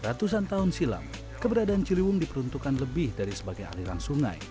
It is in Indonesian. ratusan tahun silam keberadaan ciliwung diperuntukkan lebih dari sebagai aliran sungai